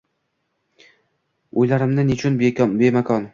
O’ylarimni nechun bemakon?